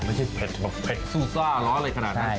มันไม่ใช่เผ็ดว่าเผ็ดสู่ซ่าหรอคนาดนั้น